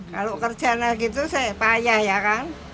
kalau kerjanya gitu saya payah ya kan